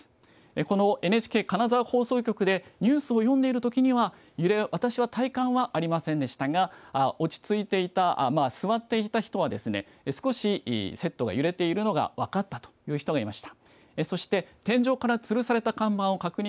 このＮＨＫ金沢放送局でニュースを読んでいるときには揺れ、私は体感はありませんでしたが落ち着いていた、座っていた人は少しセットが揺れているのが分かったという人がいました。